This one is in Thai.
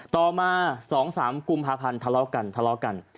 ต่อมา๒๓กุมภาพันธ์ทะเลาะกันทะเลาะกัน